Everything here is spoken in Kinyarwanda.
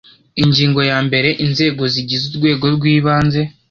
Ingingo ya mbere Inzego zigize Urwego rwibanze